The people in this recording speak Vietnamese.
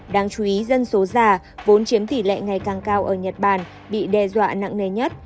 đáng chú ý dân số già vốn chiếm tỷ lệ ngày càng cao ở nhật bản bị đe dọa nặng nề nhất